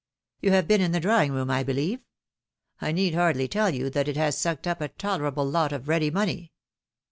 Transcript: You have been in the drawing room, I believe ; I need hardly tell you that it has sucked up a tolerable lot of ready money."